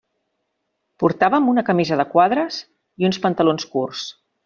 Portàvem una camisa de quadres i uns pantalons curts.